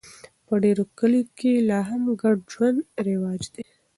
په ډېرو کلیو کې لا هم ګډ ژوند رواج دی.